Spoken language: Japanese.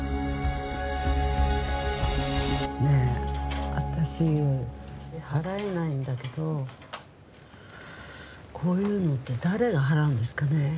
ねえ私払えないんだけどこういうのって誰が払うんですかね？